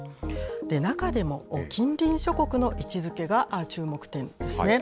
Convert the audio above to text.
中でも近隣諸国の位置づけが注目点ですね。